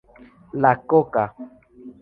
La coca.